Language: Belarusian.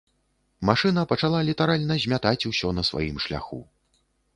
Машына пачала літаральна змятаць усё на сваім шляху.